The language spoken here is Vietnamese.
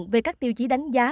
về các tiêu chí đánh giá